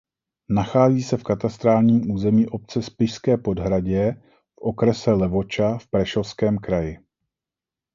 Nachází se v katastrálním území obce Spišské Podhradie v okrese Levoča v Prešovském kraji.